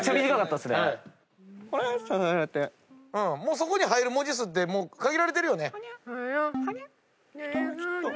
そこに入る文字数って限られてるよね。